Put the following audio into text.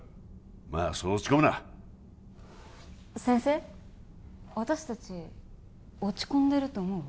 まあそう落ち込むな先生私達落ち込んでると思う？